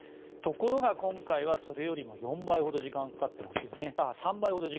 ところが、今回はそれよりも３倍ほど時間がかかっていますよね。